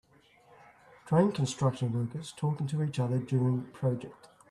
Train construction workers talking to each other during project.